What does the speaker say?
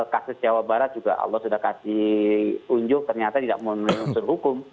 kasus jawa barat juga allah sudah kasih unjuk ternyata tidak memenuhi unsur hukum